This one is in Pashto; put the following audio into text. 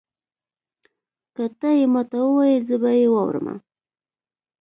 که تۀ یې ماته ووایي زه به یې واورمه.